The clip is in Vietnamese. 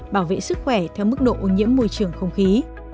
bảo vệ sức khỏe theo mức độ ô nhiễm môi trường không khí